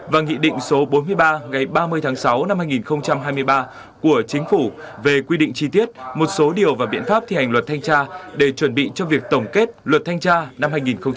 và nghị định số bốn mươi ba ngày ba mươi tháng sáu năm hai nghìn hai mươi ba của chính phủ về quy định chi tiết một số điều và biện pháp thi hành luật thanh tra để chuẩn bị cho việc tổng kết luật thanh tra năm hai nghìn một mươi ba